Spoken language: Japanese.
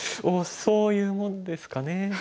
そういうもんですかね。